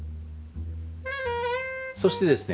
そしてですね